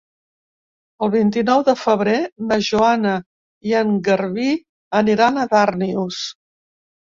El vint-i-nou de febrer na Joana i en Garbí aniran a Darnius.